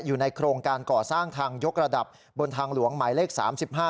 อยู่ในโครงการก่อสร้างทางยกระดับบนทางหลวงหมายเลข๓๕